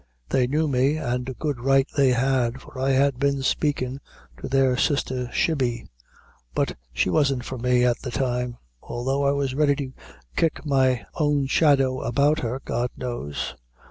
They knew me, and good right they had, for I had been spakin' to their sister Shibby, but she wasn't for me at the time, although I was ready to kick my own shadow about her, God knows.